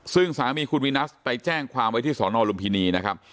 ซึ่งสามีคุณวินัสไปแจ้งความไว้ที่สอนอลุมพินีนะครับ